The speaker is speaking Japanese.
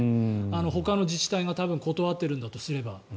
ほかの自治体が断っているんだとすれば。